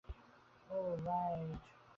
ওহ, light.